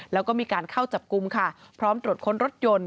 แล้วก็มีการเข้าจับกลุ่มค่ะพร้อมตรวจค้นรถยนต์